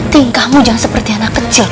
tingkahmu jangan seperti anak kecil